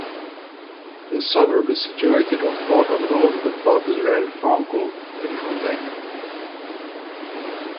The suburb is situated on part of an old Witwatersrand farm called "Driefontein".